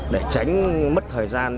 để tránh mất thời gian